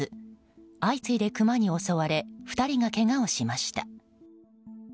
相次いでクマに襲われ２人がけがをしました。